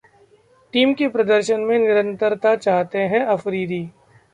team के प्रदर्शन में निरंतरता चाहते हैं अफरीदी